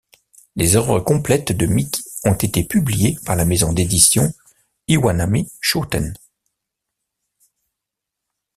Les œuvres complètes de Miki ont été publiées par la maison d'édition Iwanami Shoten.